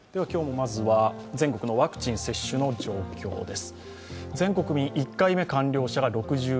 まずは全国のワクチン接種の状況です。